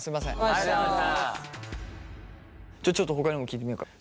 じゃちょっとほかにも聞いてみようか。